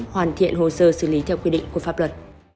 hoàn thiện hồ sơ xử lý theo quy định của pháp luật